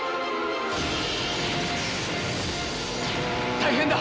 大変だ！